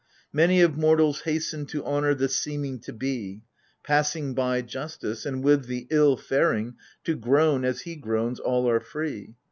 Many of mortals hasten to honor the seeming to be — Passing by justice : and, with the ill faring, to groan as he groans all are free.